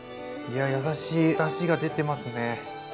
いや優しいだしが出てますね！